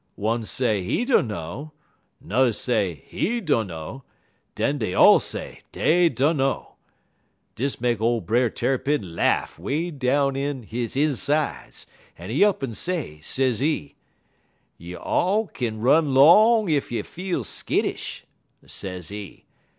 One say he dunno, n'er say he dunno, den dey all say dey dunno. Dis make ole Brer Tarrypin laff 'way down in he insides, en he up'n say, sezee: "You all kin run 'long ef you feel skittish,' sezee.